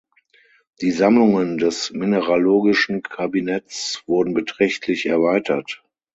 Die Sammlungen des mineralogischen Kabinetts wurden beträchtlich erweitert.